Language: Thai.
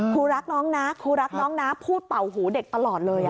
ครูรักน้องนะครูรักน้องนะพูดเป่าหูเด็กตลอดเลย